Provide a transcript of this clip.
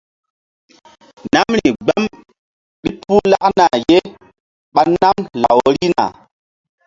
Namri gbam ɓil puh lakna ye ɓa nam law rihna.